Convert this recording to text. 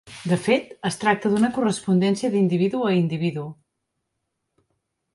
De fet, es tracta d'una correspondència d'individu a individu.